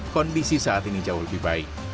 kondisi saat ini jauh lebih baik